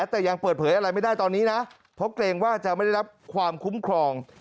แต่ยังเปิดเผยอะไรไม่ได้ตอนนี้นะเพราะเกรงว่าจะไม่ได้รับความคุ้มครอง